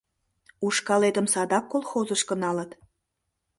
— Ушкалетым садак колхозышко налыт.